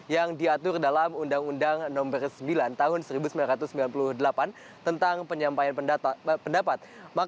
yang diatur dalam undang undang nomor sembilan tahun seribu sembilan ratus sembilan puluh delapan tentang penyampaian pendapat